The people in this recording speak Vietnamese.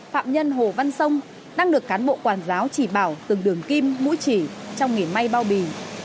phạm nhân hồ văn sông đang được cán bộ quản giáo chỉ bảo từng đường kim mũi chỉ trong nghỉ may bao bì